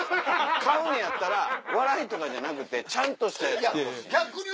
買うのやったら笑いとかじゃなくちゃんとしたやつが欲しい。